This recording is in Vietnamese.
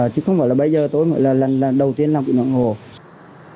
chứ không phải là bây giờ tôi mới là lần đầu tiên làm cựu nạn cựu hồ